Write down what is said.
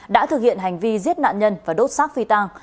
đã thực hiện hành vi giết nạn nhân và đốt xác phi tàng